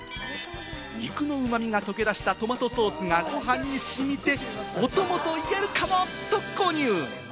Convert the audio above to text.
肉のうま味が溶け出したトマトソースがご飯に染みて、お供と言えるかも！と購入。